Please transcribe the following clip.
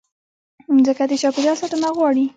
مځکه د چاپېریال ساتنه غواړي.